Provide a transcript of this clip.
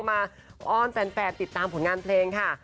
อ้อนแฟนติดตามผลงานเพลงค่ะ